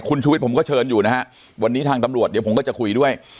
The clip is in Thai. คุณชูวิทย์ผมก็เชิญอยู่นะฮะวันนี้ทางตำรวจเดี๋ยวผมก็จะคุยด้วย